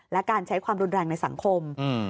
และการใช้ความรุนแรงในสังคม